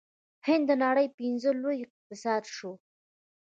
هند د نړۍ پنځم لوی اقتصاد شو.